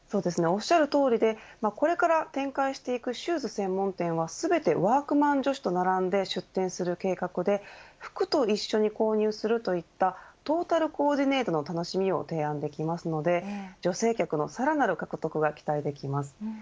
おっしゃるとおりでこれから展開するシューズ専門店は全てワークマン女子と並んで出店する計画で服と一緒に購入するといったトータルコーディネートの楽しみを提案できますので女性客のさらなる獲得が期待できます。